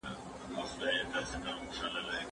خلک اکثر د ناوليتوب، پاکوالي او مکروب ترمنځ توپیر نه کوي.